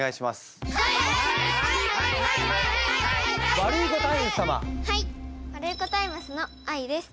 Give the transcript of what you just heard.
ワルイコタイムスのあいです。